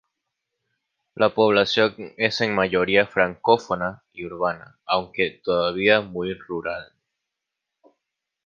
La población es en mayoría francófona y urbana aunque todavía muy rural.